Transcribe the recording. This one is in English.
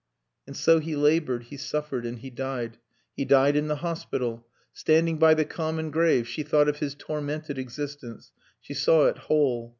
And so he laboured, he suffered, and he died. He died in the hospital. Standing by the common grave she thought of his tormented existence she saw it whole.